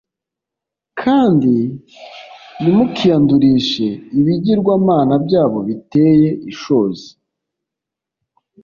kandi ntimukiyandurishe ibigirwamana byabo biteye ishozi